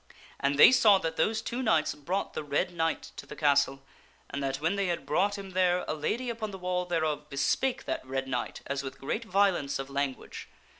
And they saw that those two knights brought the Red Knight to the castle, and that when they had brought him there a lady upon the wall thereof bespake that Red Knight as with great violence of language.